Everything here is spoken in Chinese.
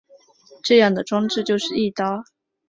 这样的装置就是翼刀。